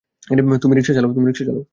তুমি রিকশা চালাও।